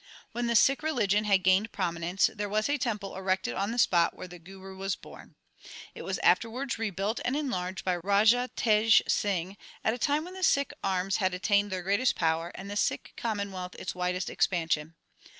When the Sikh religion had gained prominence, there was a temple erected on the spot where the Guru was born. It was afterwards rebuilt and enlarged by Raja Tej Singh, at the time when the Sikh arms had attained their greatest power and the Sikh commonwealth its widest expansion.